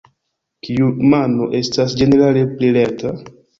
Kiu mano estas ĝenerale pli lerta?